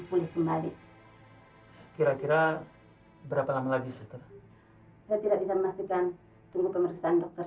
pulih kembali kira kira berapa lama lagi setelah saya tidak bisa memastikan tunggu pemeriksaan dokter